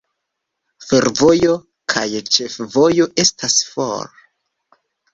Fervojo kaj ĉefvojo estas for.